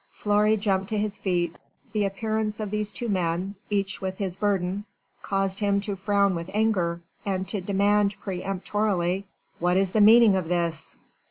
Fleury jumped to his feet the appearance of these two men, each with his burden, caused him to frown with anger and to demand peremptorily: "What is the meaning of this?"